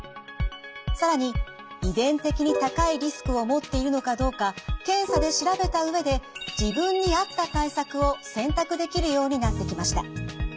更に遺伝的に高いリスクを持っているのかどうか検査で調べた上で自分に合った対策を選択できるようになってきました。